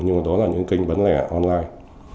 nhưng đó là những kênh bán lẻ online